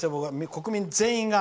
国民全員が。